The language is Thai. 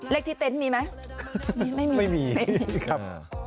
เลขที่เต็นต์มีไหมมีไม่มีไม่มีครับ